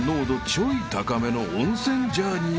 ちょい高めの温泉ジャーニーが開幕］